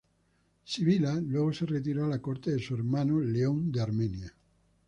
Sibila luego se retiró a la corte de su hermano León en Armenia.